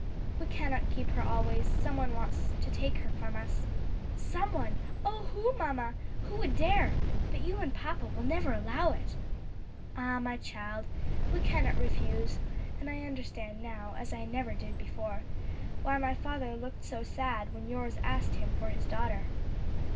"We cannot keep her always; some one wants to take her from us." "Some one! oh who, mamma? who would dare? But you and papa will never allow it?" "Ah, my child, we cannot refuse; and I understand now, as I never did before, why my father looked so sad when yours asked him for his daughter."